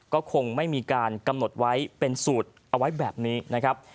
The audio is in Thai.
ก็คงไม่มีการกำหนดไว้เป็นสูตรเอาไว้แบบนี้นะครับ